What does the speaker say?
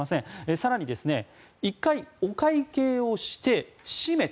更に、１回お会計をして閉めた。